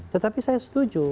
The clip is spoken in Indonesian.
tetapi saya setuju